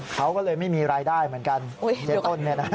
เขาก็เลยไม่มีรายได้เหมือนกันเจ๊ต้น